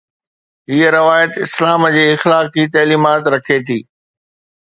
هيءَ روايت اسلام جي اخلاقي تعليمات رکي ٿي.